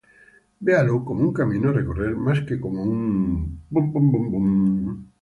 véalo como un camino a recorrer más que como un